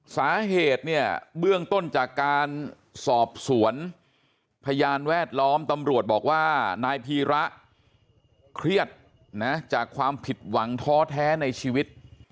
สาเหตุเนี่ยเบื้องต้นจากการสอบสวนพยานแวดล้อมตำรวจบอกว่านายพีระเครียดนะจากความผิดหวังท้อแท้ในชีวิต